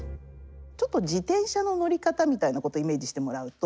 ちょっと自転車の乗り方みたいなことをイメージしてもらうと。